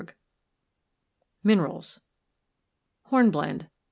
] MINERALS. HORNBLENDE.